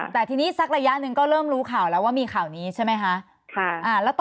แต่ทีนี้สักระยะหนึ่งก็เริ่มรู้ข่าวแล้วว่ามีข่าวนี้ใช่ไหมคะ